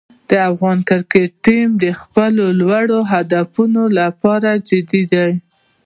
د افغان کرکټ ټیم د خپلو لوړو هدفونو لپاره جدي دی.